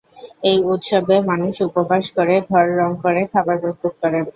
এই উৎসবে মানুষ উপবাস করে, ঘর রং করে, খাবার প্রস্তুত করে।